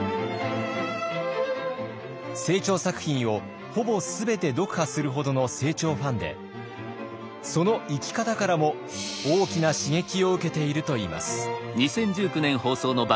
清張作品をほぼ全て読破するほどの清張ファンでその生き方からも大きな刺激を受けているといいます。